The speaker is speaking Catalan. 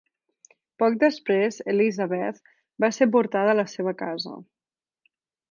Poc després, Elizabeth va ser portada a la seva casa.